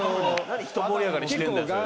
何ひと盛り上がりしてんだよ。